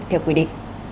theo quy định